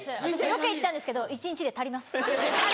ロケ行ったんですけど一日で足ります。